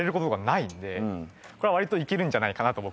わりといけるんじゃないかなと。